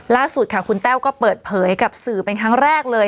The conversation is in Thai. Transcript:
ล่าสุดค่ะคุณแต้วก็เปิดเผยกับสื่อเป็นครั้งแรกเลย